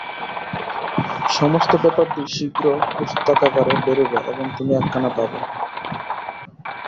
সমস্ত ব্যাপারটিই শীঘ্র পুস্তকাকারে বেরুবে এবং তুমিও একখানা পাবে।